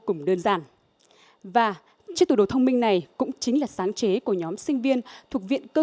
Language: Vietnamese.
cùng đơn giản và chiếc tủ đồ thông minh này cũng chính là sáng chế của nhóm sinh viên thuộc viện cơ